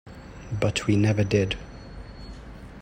But we never did.